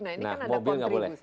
nah ini kan ada kontribusi